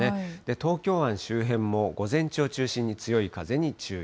東京湾周辺も午前中を中心に、強い風に注意。